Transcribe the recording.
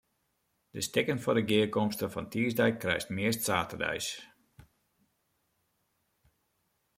De stikken foar de gearkomste fan tiisdei krijst meast saterdeis.